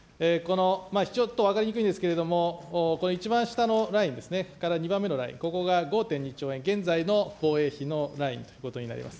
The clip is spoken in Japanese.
ちょっと分かりにくいんですけれども、この一番下のラインですね、２番目のライン、ここが５．２兆円、現在の防衛費のラインということになります。